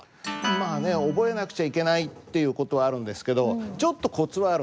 まあね覚えなくちゃいけないっていう事はあるんですけどちょっとコツはあるんですよ。